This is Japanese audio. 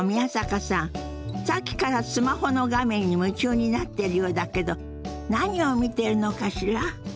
さっきからスマホの画面に夢中になってるようだけど何を見てるのかしら？